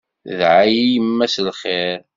Tedɛa-yi yemma s lxir.